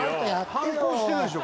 反抗してるでしょ